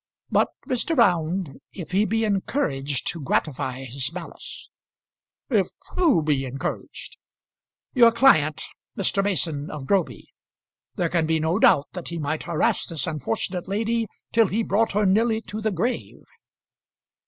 But, Mr. Round, if he be encouraged to gratify his malice " "If who be encouraged?" "Your client, Mr. Mason of Groby; there can be no doubt that he might harass this unfortunate lady till he brought her nearly to the grave."